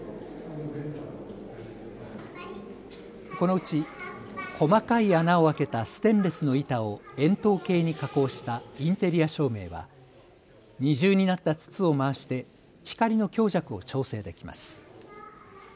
このうち細かい穴を開けたステンレスの板を円筒形に加工したインテリア照明は二重になった筒を回して光の強弱を調整できます。